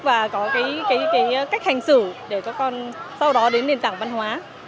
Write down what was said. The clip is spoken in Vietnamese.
và có cách hành xử để các con sau đó đến nền tảng văn hóa